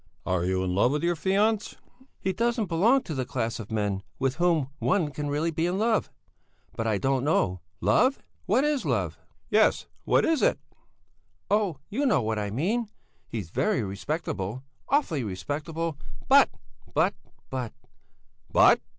"Are you in love with your fiancé?" "He doesn't belong to the class of men with whom one can really be in love. But I don't know. Love? Hm! What is love?" "Yes, what is it?" "Oh, you know what I mean. He's very respectable, awfully respectable, but, but, but...." "But?"